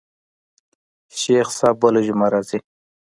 شيخ صاحب بله جمعه راځي.